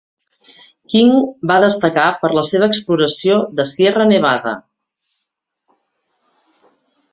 King va destacar per la seva exploració de Sierra Nevada.